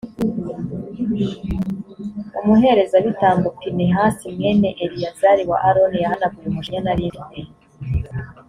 umuherezabitambo pinehasi, mwene eleyazari wa aroni, yahanaguye umujinya nari mfite